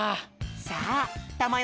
さあたまよ